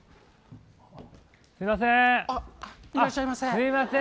すみません。